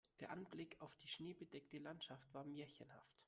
Der Anblick auf die schneebedeckte Landschaft war märchenhaft.